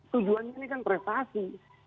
tujuannya ini kan prestasi